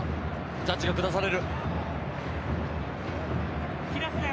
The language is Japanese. ジャッジが下される。